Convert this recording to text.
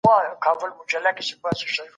زمانه به بدلون ومومي